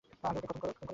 আগে ওকে খতম কর।